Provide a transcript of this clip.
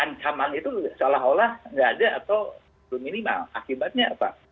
ancaman itu seolah olah tidak ada atau belum minimal akibatnya apa